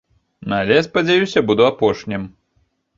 Але, спадзяюся, буду апошнім.